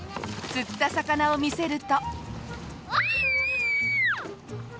釣った魚を見せると。